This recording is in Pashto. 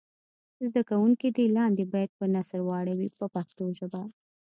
زده کوونکي دې لاندې بیت په نثر واړوي په پښتو ژبه.